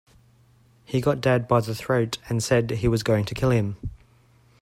He got dad by the throat and said he was going to kill him.